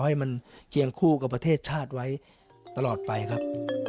ให้มันเคียงคู่กับประเทศชาติไว้ตลอดไปครับ